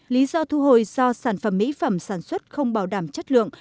lý do thu hồi do sản phẩm mỹ phẩm sản xuất không bảo đảm chất lượng